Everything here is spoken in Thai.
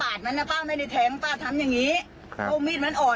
มันนะป้าไม่ได้แทงป้าทำอย่างงี้ครับเพราะมีดมันอ่อน